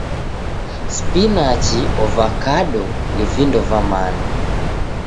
Spinachi, ovakado, ni vindo va mana.